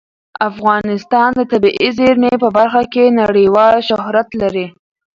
افغانستان د طبیعي زیرمې په برخه کې نړیوال شهرت لري.